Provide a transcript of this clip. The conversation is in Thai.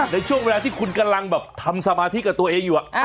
ในช่วงเวลาที่คุณกำลังแบบทำสมาธิกับตัวเองอยู่